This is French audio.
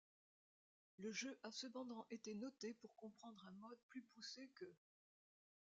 Le jeu a cependant été noté pour comprendre un mode plus poussé que '.